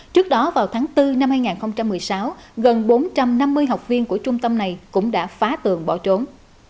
trước đó vào tháng bốn năm hai nghìn một mươi sáu gần bốn trăm năm mươi học viên của trung tâm này cũng đã phá tường bỏ trốn